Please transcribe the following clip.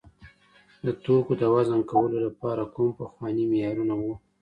د توکو د وزن کولو لپاره کوم پخواني معیارونه وو؟